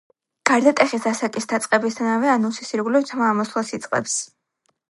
გარდატეხის ასაკის დაწყებისთანავე ანუსის ირგლივ თმა ამოსვლას იწყებს.